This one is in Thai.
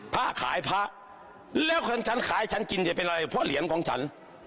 พระขายพระแล้วของฉันขายฉันกินจะเป็นไรเพราะเหรียญของฉัน